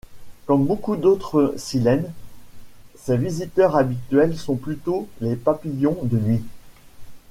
Comme beaucoup d'autres Silènes, ses visiteurs habituels sont plutôt les papillons de nuit.